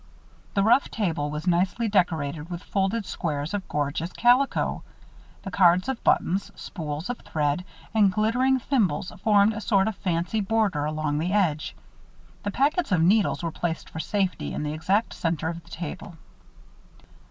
The rough table was nicely decorated with folded squares of gorgeous calico. The cards of buttons, spools of thread, and glittering thimbles formed a sort of fancy border along the edge. The packets of needles were placed for safety in the exact center of the table.